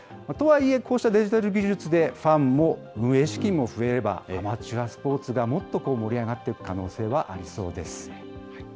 とはいえ、こうしたデジタル技術で、ファンも運営資金も増えれば、アマチュアスポーツがもっと盛り上がっていく可能性はありそうです。